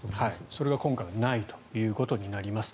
それが今回はないということになります。